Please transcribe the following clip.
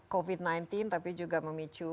covid sembilan belas tapi juga memicu